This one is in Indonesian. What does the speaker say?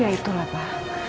ya itulah pak